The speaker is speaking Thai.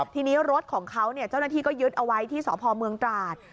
ทีนี้รถของเขาเจ้าหน้าที่ก็ยึดเอาไว้ที่สพเมืองตราด